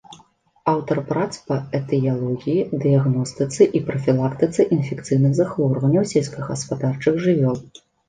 Аўтар прац па этыялогіі, дыягностыцы і прафілактыцы інфекцыйных захворванняў сельскагаспадарчых жывёл.